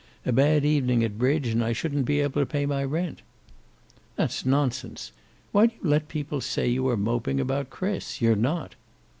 A bad evening at bridge, and I shouldn't be able to pay my rent." "That's nonsense. Why do you let people say you are moping about Chris? You're not."